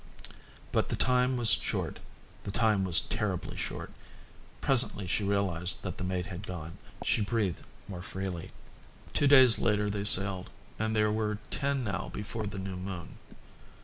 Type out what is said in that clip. But the time was short, the time was terribly short. Presently she realised that the mate had gone. She breathed more freely. Two days later they sailed, and there were ten now before the new moon.